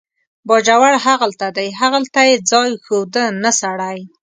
باجوړ هغلته دی، هغلته یې ځای ښوده، نه سړی.